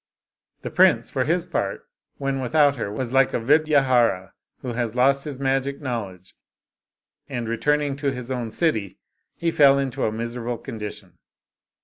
The prince, for his part, when without her, was like a Vidyadhara who has lost his magic knowledge, and, return ing to his own city, he fell into a miserable condition.